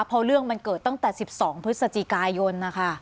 เพราะเรื่องมันเกิดตั้งแต่๑๒พฤศจิกายนนะคะ